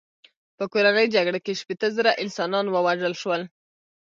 په کورنۍ جګړه کې شپېته زره انسانان ووژل شول.